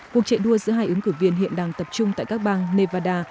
cuộc chạy đua giữa hai ứng cử viên hiện đang tập trung tại các bang nevada